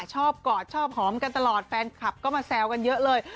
กอดชอบหอมกันตลอดแฟนคลับก็มาแซวกันเยอะเลย